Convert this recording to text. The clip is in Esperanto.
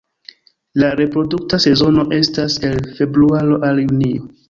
La reprodukta sezono estas el februaro al junio.